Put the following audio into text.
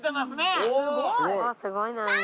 すごいな。